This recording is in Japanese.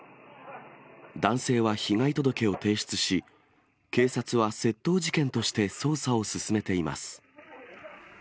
男性は被害届を提出し、警察は窃盗事件として捜査を進めています。